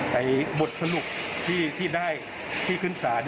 บทสรุปที่ได้ที่ขึ้นศาล